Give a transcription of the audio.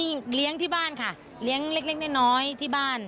เลี้ยงที่บ้านค่ะเลี้ยงเล็กน้อยที่บ้าน